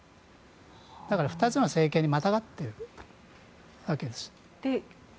だから２つの政権にまたがっているわけです。